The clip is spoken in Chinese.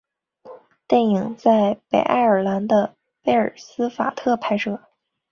电影在北爱尔兰的贝尔法斯特拍摄。